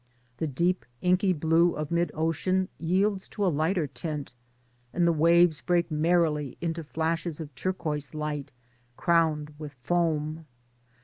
The deep inky blue of mid ocean yields to a lighter tint, and the waves break merrily into flashes of turquoise light crowned with foam.